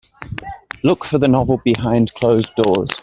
Look for the novel Behind closed doors